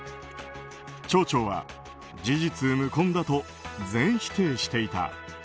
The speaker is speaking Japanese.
町長は事実無根だと全否定していた。